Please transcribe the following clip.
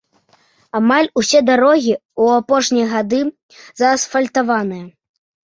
Амаль усе дарогі ў апошнія гады заасфальтаваныя.